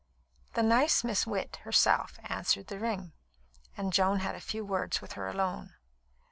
The nice Miss Witt herself answered the ring, and Joan had a few words with her alone.